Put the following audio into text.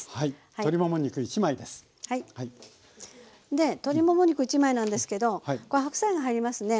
で鶏もも肉１枚なんですけどこれ白菜が入りますね。